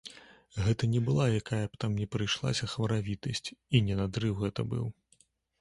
Гэта не была якая б там ні прыйшлася хваравітасць і не надрыў гэта быў.